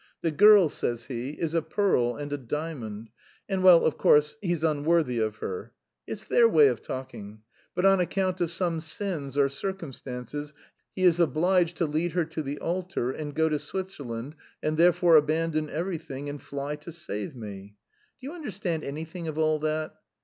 'The girl,' says he, 'is a pearl and a diamond,' and, well, of course, he's 'unworthy of her'; it's their way of talking; but on account of some sins or circumstances 'he is obliged to lead her to the altar, and go to Switzerland, and therefore abandon everything and fly to save me.' Do you understand anything of all that?